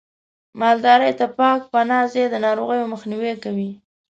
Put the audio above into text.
مالدارۍ ته پاک پناه ځای د ناروغیو مخنیوی کوي.